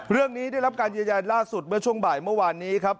ได้รับการยืนยันล่าสุดเมื่อช่วงบ่ายเมื่อวานนี้ครับ